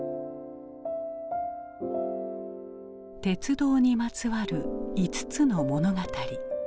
鉄道にまつわる５つの物語。